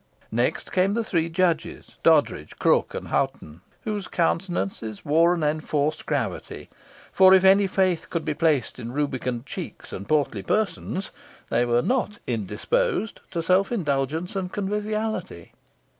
Next came the three judges, Doddridge, Crooke, and Hoghton, whose countenances wore an enforced gravity; for if any faith could be placed in rubicund cheeks and portly persons, they were not indisposed to self indulgence and conviviality.